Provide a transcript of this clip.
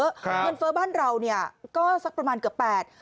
เงินเฟ้อบ้านเราก็สักประมาณเกือบ๘